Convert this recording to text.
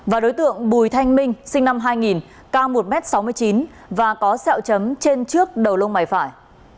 và đối tượng bùi thanh minh sinh năm hai nghìn cao một m sáu mươi chín và có sẹo chấm trên trước đầu lông mày phải